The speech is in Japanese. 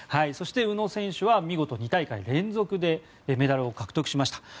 そして、宇野選手は見事、２大会連続でメダルを獲得しました。